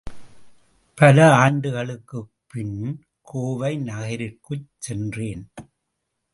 பல ஆண்டுகளுக்குப் பின், கோவை நகரிற்குச் சென்றேன்.